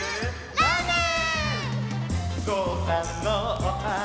「ラーメン！」